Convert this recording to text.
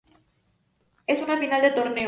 En una final de torneo.